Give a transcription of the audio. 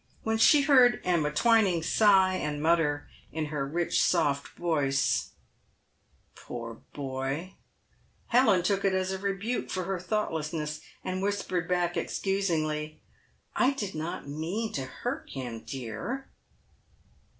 When she heard Emma Twining sigh and mutter, in her rich, soft voice, " Poor boy !" Helen took it as a rebuke for her thoughtlessness, and whispered back, excusingly, " I did not mean to hurt him, dear."